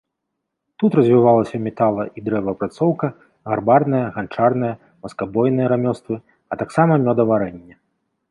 Тут развіваліся метала- і дрэваапрацоўка, гарбарнае, ганчарнае, васкабойнае рамёствы, а таксама мёдаварэнне.